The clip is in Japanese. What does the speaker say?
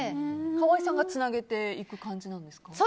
川合さんがつなげていく感じなんですか？